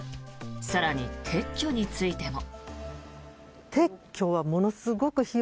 更に撤去についても。